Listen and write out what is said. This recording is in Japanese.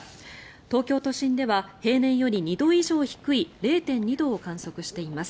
東京都心では平年より２度以上低い０．２度を観測しています。